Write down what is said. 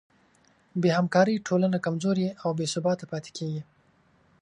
بېهمکارۍ ټولنه کمزورې او بېثباته پاتې کېږي.